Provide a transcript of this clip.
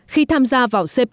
khi tham gia vào cptpp